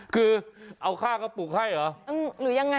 คือเอาข้ากะปุกให้หร้อยังไง